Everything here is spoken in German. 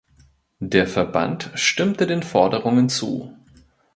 Der Verband stimmte den Forderungen zu.